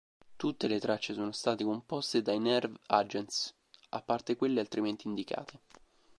Tutte le tracce sono state composte dai Nerve Agents, a parte quelle altrimenti indicate.